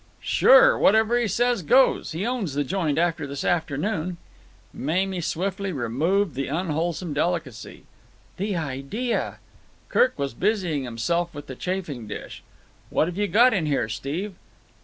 "Sure. Whatever he says goes. He owns the joint after this afternoon." Mamie swiftly removed the unwholesome delicacy. "The idea!" Kirk was busying himself with the chafing dish. "What have you got in here, Steve?"